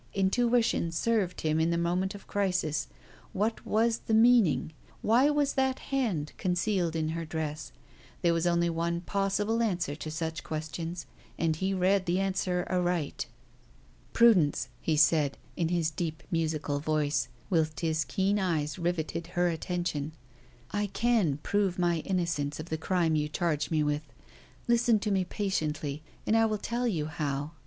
Intuition served him in the moment of crisis. What was the meaning? Why was that hand concealed in her dress? There was only one possible answer to such questions, and he read the answer aright. "Prudence," he said, in his deep musical voice, whilst his keen eyes riveted her attention, "I can prove my innocence of the crime you charge me with. Listen to me patiently, and I will tell you how.